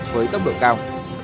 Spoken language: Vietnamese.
với tốc độ cao